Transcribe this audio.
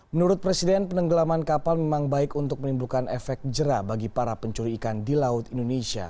menurut presiden penenggelaman kapal memang baik untuk menimbulkan efek jerah bagi para pencuri ikan di laut indonesia